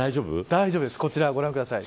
大丈夫ですこちらをご覧ください。